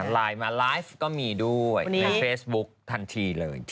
ไลน์มาไลฟ์ก็มีด้วยในเฟซบุ๊คทันทีเลย